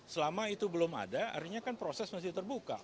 selama itu belum ada artinya kan proses masih terbuka